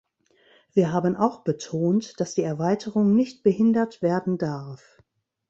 Wir haben auch betont, dass die Erweiterung nicht behindert werden darf.